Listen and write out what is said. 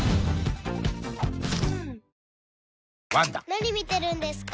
・何見てるんですか？